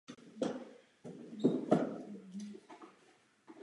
V následujícím roce přešel na chemii.